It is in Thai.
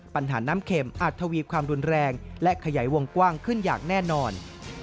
ปัญหาน้ำเข็มอาจทวีความรุนแรงและขยายวงกว้างขึ้นอย่างแน่นอน